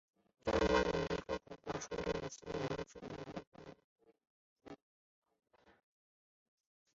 中华人民共和国建立初期仍属绥远省。